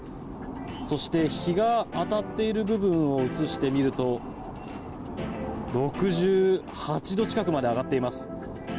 そして日が当たっている部分を映してみると６８度近くまで上がっています。